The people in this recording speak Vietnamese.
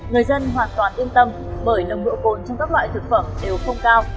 người dân hoàn toàn yên tâm bởi nồng độ cồn trong các loại thực phẩm đều không cao